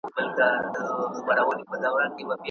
کمپيوټر ضمانت لري.